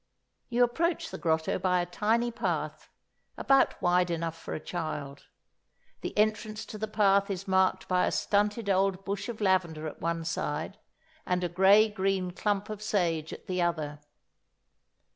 You approach the grotto by a tiny path, about wide enough for a child; the entrance to the path is marked by a stunted old bush of lavender at one side, and a grey green clump of sage at the other.